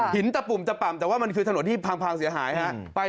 ตะปุ่มตะป่ำแต่ว่ามันคือถนนที่พังเสียหายฮะ